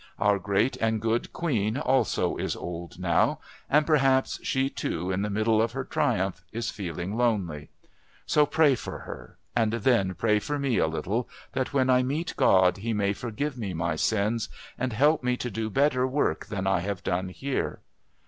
Our great and good Queen also is old now, and perhaps she, too, in the middle of her triumph, is feeling lonely. So pray for her, and then pray for me a little, that when I meet God He may forgive me my sins and help me to do better work than I have done here.